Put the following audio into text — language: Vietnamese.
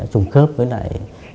trùng khớp với lại